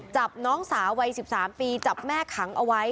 จับน้องสาววัย๑๓ปีจับแม่ขังเอาไว้